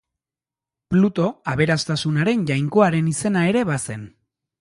Pluto, aberastasunaren jainkoaren izena ere bazen.